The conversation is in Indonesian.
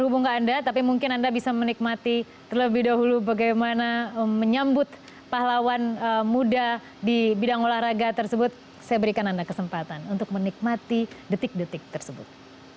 bagaimana menyambut pahlawan muda di bidang olahraga tersebut saya berikan anda kesempatan untuk menikmati detik detik tersebut